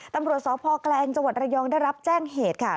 ตำรวจสพแกลงจังหวัดระยองได้รับแจ้งเหตุค่ะ